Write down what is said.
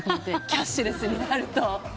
キャッシュレスになると。